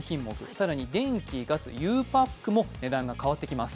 更に電気・ガス、ゆうパックも値段が変わってきます。